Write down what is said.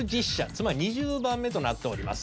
つまり２０番目となっております。